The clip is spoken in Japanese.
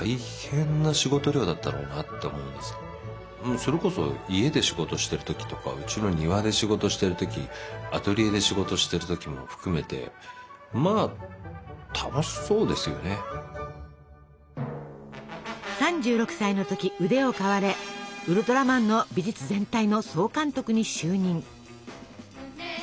それこそ家で仕事してる時とかうちの庭で仕事してる時アトリエで仕事してる時も含めて３６歳の時腕を買われウルトラマンの美術全体の総監督に就任。